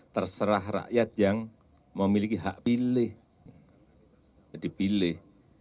terserah rakyat yang memiliki hak pilih dipilih